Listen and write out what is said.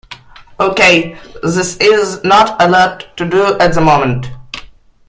Okay, there is not a lot to do at the moment.